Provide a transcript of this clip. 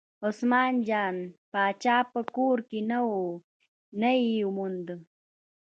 عثمان جان پاچا په کور کې نه و نه یې وموند.